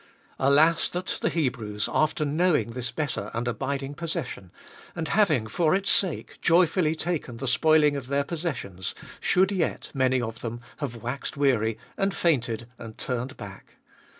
Alas that the Hebrews, after knowing this better and abid ing possession, and having, for its sake, joyfully taken the spoiling of their possessions, should yet, many of them, have waxed weary, and fainted and turned back